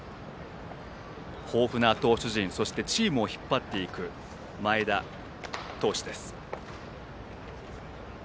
豊富な投手陣そしてチームを引っ張っていく前田投手です。